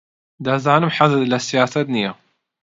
دەزانم حەزت لە سیاسەت نییە.